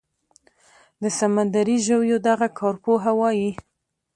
د سمندري ژویو دغه کارپوهه وايي